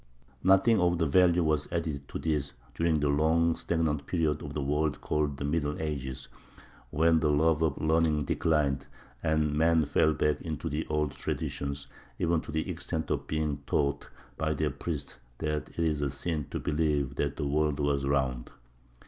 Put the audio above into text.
Nothing of value was added to this during the long stagnant period of the world called the middle ages, when the love of learning declined and men fell back into the old traditions, even to the extent of being taught by their priests that it was a sin to believe that the world was round.